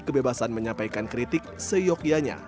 kebebasan menyampaikan kritik seyok ianya